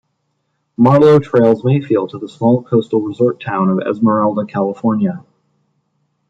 Marlowe trails Mayfield to the small coastal resort town of Esmeralda, California.